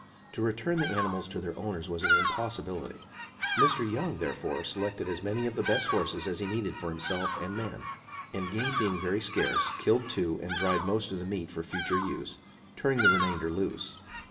To return the animals to their owners was an impossibility; Mr. Young, therefore, selected as many of the best horses as he needed for himself and men, and game being very scarce, killed two and dried most of the meat for future use, turning the remainder loose.